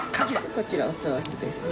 ・こちらおソースですね。